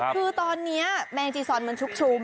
คือตอนนี้แมงจีซอนมันชุกชุม